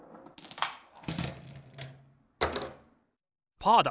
パーだ！